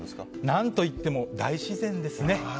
何といっても大自然ですね。